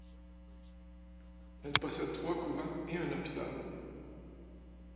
Elle possède trois couvents et un hôpital.